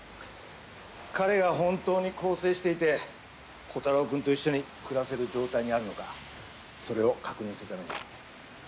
彼が本当に更生していてコタローくんと一緒に暮らせる状態にあるのかそれを確認するために。